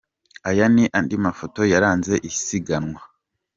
Aya ni andi mafoto yaranze isiganwa